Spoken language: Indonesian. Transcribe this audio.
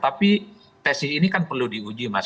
tapi tesis ini kan perlu diuji mas